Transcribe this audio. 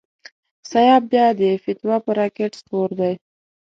سیاف بیا د فتوی پر راکېټ سپور دی.